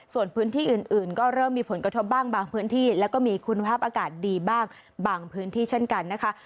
ส่วนพื้นที่อื่นก็เริ่มมีผลกระทบบ้างบางพื้นที่แล้วก็มีคุณภาพอากาศดีบ้างบางพื้นที่เช่นกันนะคะ